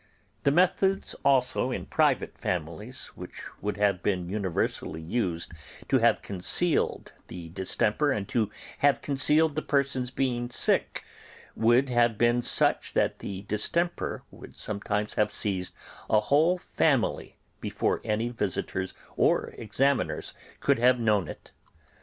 The methods also in private families, which would have been universally used to have concealed the distemper and to have concealed the persons being sick, would have been such that the distemper would sometimes have seized a whole family before any visitors or examiners could have known of it.